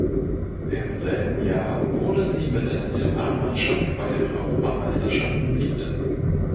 Im selben Jahr wurde sie mit der Nationalmannschaft bei den Europameisterschaften Siebte.